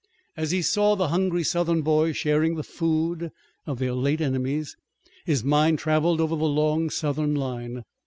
As he saw the hungry Southern boys sharing the food of their late enemies his mind traveled over the long Southern line.